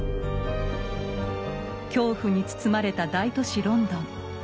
恐怖に包まれた大都市・ロンドン。